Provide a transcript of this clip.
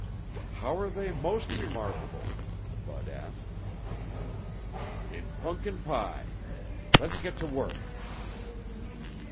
"How are they most remarkable?" Bud asked. "In punkin pie. Let's get to work."